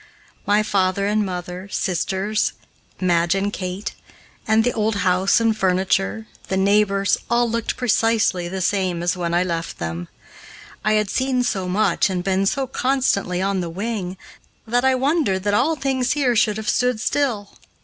My father and mother, sisters Madge and Kate, the old house and furniture, the neighbors, all looked precisely the same as when I left them. I had seen so much and been so constantly on the wing that I wondered that all things here should have stood still.